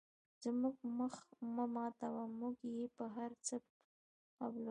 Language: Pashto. زموږ مخ مه ماتوه موږ یې په هر څه قبلوو.